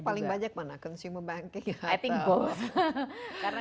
itu paling banyak mana consumer banking atau corporate banking